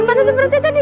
dimana semprotnya tadi